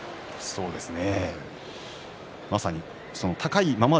そうですね。